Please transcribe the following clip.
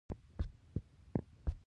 پښتون د دښمنۍ اصول لري.